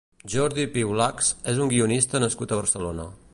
Jordi Piulachs és un guionista nascut a Barcelona.